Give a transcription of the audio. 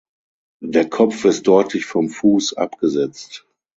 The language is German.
Der Kopf ist deutlich vom Fuß abgesetzt.